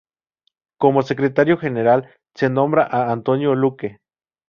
Como secretario general se nombra a Antonio Luque.